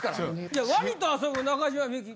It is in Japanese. じゃあワニと遊ぶ中島みゆき